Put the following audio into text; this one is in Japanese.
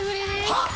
はっ？